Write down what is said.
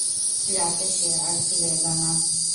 রাতে সে আর ফিরে এল না।